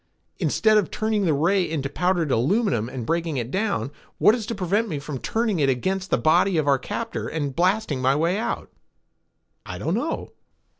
"Instead of turning the ray into powdered aluminum and breaking it down, what is to prevent me from turning it against the body of our captor and blasting my way out?" "I don't know."